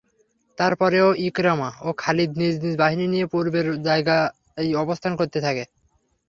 তারপরেও ইকরামা ও খালিদ নিজ নিজ বাহিনী নিয়ে পূর্বের জায়গায় অবস্থান করতে থাকে।